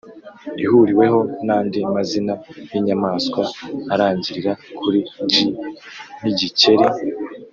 ' ihuriweho nandi mazina yinyamanswa arangirira kuri 'g', nkigikeri